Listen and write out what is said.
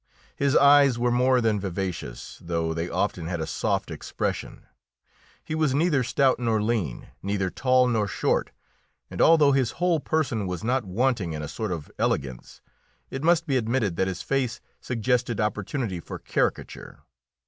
His eyes were more than vivacious, though they often had a soft expression. He was neither stout nor lean, neither tall nor short, and although his whole person was not wanting in a sort of elegance, it must be admitted that his face suggested opportunity for caricature.